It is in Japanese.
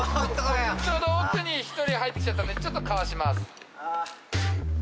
奥に１人入って来ちゃったんでちょっとかわします。